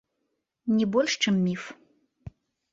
Не больш, чым міф.